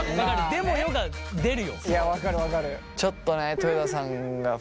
「でもよ」が出るよ。